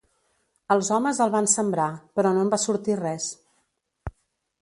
Els homes el van sembrar, però no en va sortir res.